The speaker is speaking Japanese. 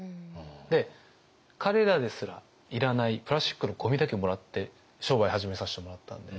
で彼らですらいらないプラスチックのごみだけもらって商売始めさせてもらったんで。